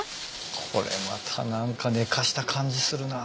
これまた何か寝かした感じするな。